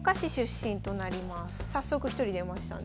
早速１人出ましたね。